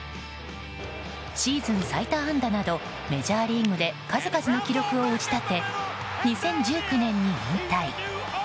シーズン最多安打などメジャーリーグで数々の記録を打ち立て２０１９年に引退。